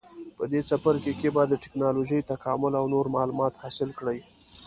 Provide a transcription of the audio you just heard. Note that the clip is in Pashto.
په دې څپرکي کې به د ټېکنالوجۍ تکامل او نور معلومات حاصل کړئ.